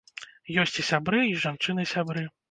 Ёсць і сябры, і жанчыны-сябры.